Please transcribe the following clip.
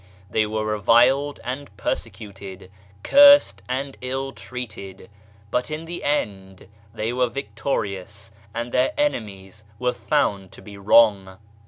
They were reviled and persecuted, cursed and ill treated, but in the end they were victorious and their enemies were found to be wrong.